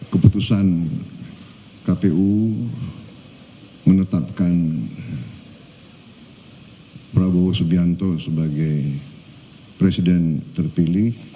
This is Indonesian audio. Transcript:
keputusan kpu menetapkan prabowo subianto sebagai presiden terpilih